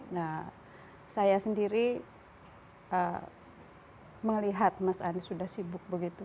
nah saya sendiri melihat mas anies sudah sibuk begitu